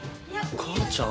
母ちゃん！